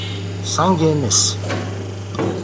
سنگ مس